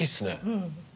うん。